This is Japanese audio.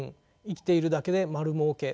生きているだけで丸儲け。